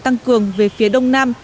tăng cường về phía đông nam